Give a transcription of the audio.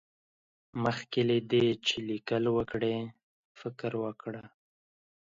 مخکې له دې چې ليکل وکړې، فکر وکړه.